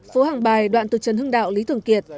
phố hàng bài đoạn từ trần hưng đạo lý thường kiệt